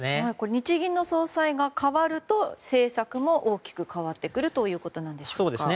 日銀の総裁が代わると政策も大きく変わってくるということでしょうか？